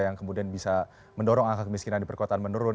yang kemudian bisa mendorong angka kemiskinan di perkotaan menurun